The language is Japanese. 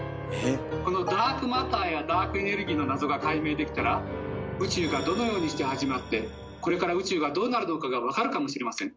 このダークマターやダークエネルギーの謎が解明できたら宇宙がどのようにして始まってこれから宇宙がどうなるのかが分かるかもしれません。